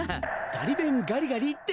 ガリべんガリガリって。